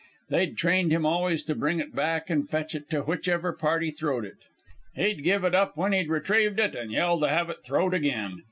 They'd trained him always to bring it back an' fetch it to whichever party throwed it. He'd give it up when he'd retrieved it, an' yell to have it throwed again.